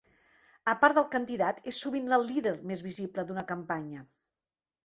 A part del candidat, és sovint el líder més visible d'una campanya.